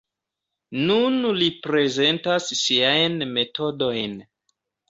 Nun li prezentas siajn metodojn.